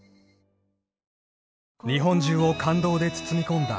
［日本中を感動で包み込んだ］